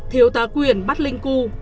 thiếu tá quyền bắt linh cưu